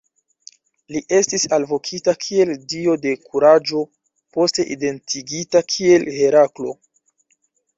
Li estis alvokita kiel dio de kuraĝo, poste identigita kiel Heraklo.